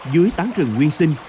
dưới tán rừng nguyên sinh